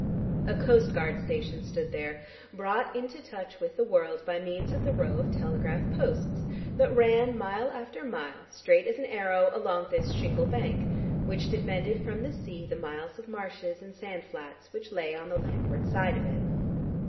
A coast guard station stood there, brought into touch with the world by means of the row of telegraph posts that ran, mile after mile, straight as an arrow, along this shingle bank, which defended from the sea the miles of marshes and sand flats which lay on the landward side of it.